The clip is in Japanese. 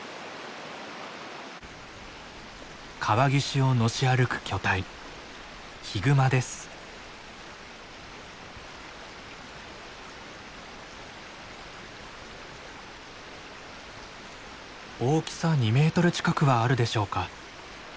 川岸をのし歩く巨体大きさ２メートル近くはあるでしょうか。